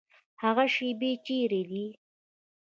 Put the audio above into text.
هغه شیبې چیري دي؟